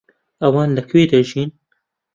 ئەوان لەکوێ دەژین؟